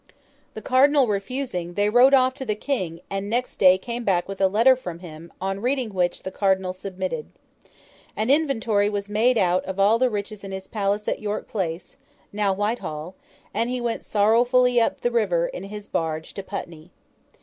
The Cardinal refusing, they rode off to the King; and next day came back with a letter from him, on reading which, the Cardinal submitted. An inventory was made out of all the riches in his palace at York Place (now Whitehall), and he went sorrowfully up the river, in his barge, to Putney.